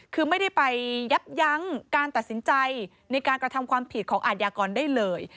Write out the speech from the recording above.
คือไม่ได้ไปยับยั้งการตัดสินใจในการกระทำความผิดของอาทยากรได้เลย